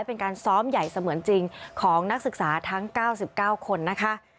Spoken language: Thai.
เป็นการซ้อมใหญ่เสมือนจริงของนักศึกษาทั้ง๙๙คนนะคะ